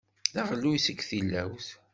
D aɣelluy seg tilawt.